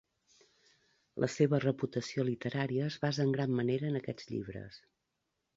La seva reputació literària es basa en gran manera en aquests llibres.